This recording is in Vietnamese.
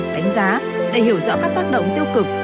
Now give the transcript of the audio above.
đánh giá để hiểu rõ các tác động tiêu cực